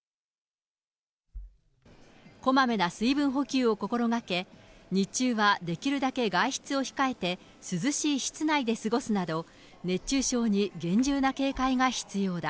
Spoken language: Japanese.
こまめな水分補給を心がけ、日中はできるだけ外出を控えて、涼しい室内で過ごすなど、熱中症に厳重な警戒が必要だ。